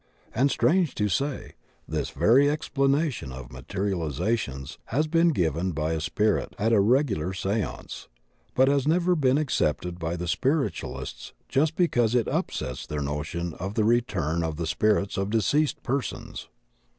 And, strange to say, this very explanation of materializa tions has been given by a "spirit" at a regular sconce, but has never been accepted by the spiritualists just 44 THE OCEAN OF THEOSOPHY because it upsets their notion of the return of the spirits of deceased persons.